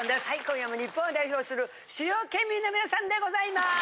今夜も日本を代表する主要県民の皆さんでございます！